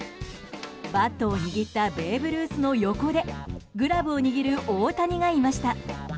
バットを握ったベーブ・ルースの横でグラブを握る大谷がいました。